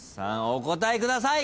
お答えください。